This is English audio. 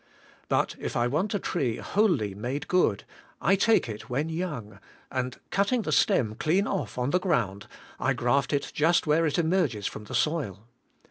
But if I want a tree wholly made good, I take it when young, and, cutting the stem clean off on the ground, 'I graft it just where it emerges from the soil.